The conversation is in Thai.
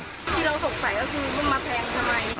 ที่เราสงสัยก็คือมึงมาแพงทำไม